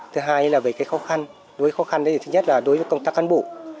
thứ hai về khó khăn đối với khó khăn thứ nhất là đối với công tác cán bộ